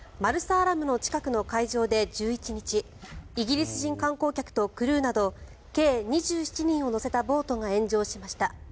アラム近くの海上で１１日イギリス人観光客とクルーなど計２７人を乗せたボートが炎上しました。